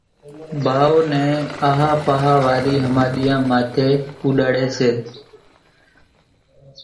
ڀائو نين آۿا پاۿا واري ۿماۮيان ماٿي اُوڏاڙي سي